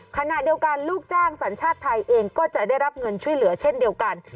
ขณะเดียวกันลูกจ้างสัญชาติไทยเองก็จะได้รับเงินช่วยเหลือเช่นเดียวกัน